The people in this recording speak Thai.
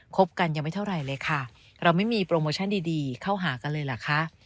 บกันยังไม่เท่าไหร่เลยค่ะเราไม่มีโปรโมชั่นดีเข้าหากันเลยเหรอคะ